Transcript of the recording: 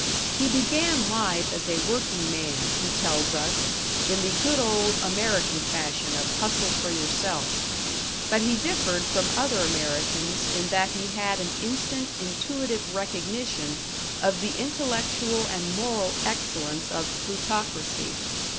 He began life as a working man, he tells us, in the good old American fashion of hustle for yourself; but he differed from other Americans in that he had an instant, intuitive recognition of the intellectual and moral excellence of Plutocracy.